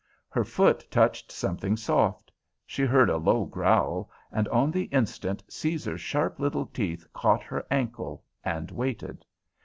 Her foot touched something soft; she heard a low growl, and on the instant Caesar's sharp little teeth caught her ankle and waited.